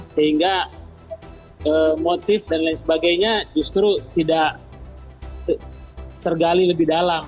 sehingga motif dan lain sebagainya justru tidak tergali lebih dalam